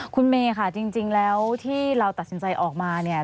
คุณเมย์ค่ะจริงแล้วที่เราตัดสินใจออกมาเนี่ย